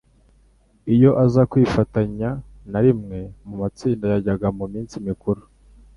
Iyo aza kwifatanya na rimwe mu matsinda yajyaga mu minsi mikuru,